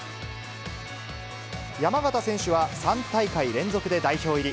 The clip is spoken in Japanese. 山縣選手は３大会連続で代表入り。